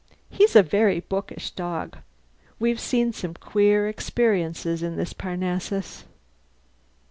He's a very bookish dog. We've seen some queer experiences in this Parnassus."